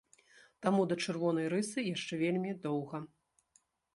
Таму да чырвонай рысы яшчэ вельмі доўга.